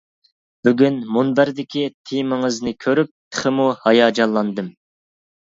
بۈگۈن مۇنبەردىكى تېمىڭىزنى كۆرۈپ تېخىمۇ ھاياجانلاندىم.